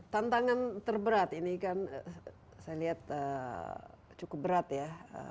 tantangan terberat ini kan saya lihat cukup berat ya